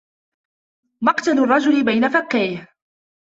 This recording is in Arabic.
مَقْتَلُ الرَّجُلِ بَيْنَ فَكَّيْهِ